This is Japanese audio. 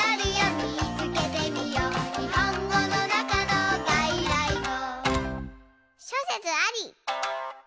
「にほんごのなかのがいらいご」